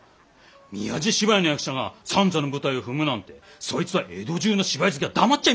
宮地芝居の役者が三座の舞台を踏むなんてそいつは江戸中の芝居好きが黙っちゃいませんぜ。